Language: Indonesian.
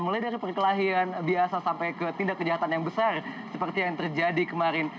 mulai dari perkelahian biasa sampai ke tindak kejahatan yang besar seperti yang terjadi kemarin